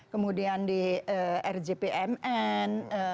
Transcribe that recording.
kemudian di rgpmn